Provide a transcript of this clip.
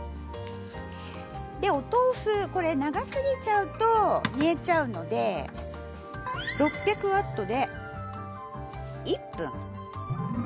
でお豆腐これ長すぎちゃうと煮えちゃうので６００Ｗで１分。